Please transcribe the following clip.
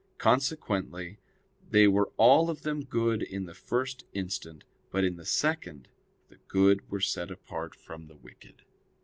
Consequently they were all of them good in the first instant; but in the second the good were set apart from the wicked.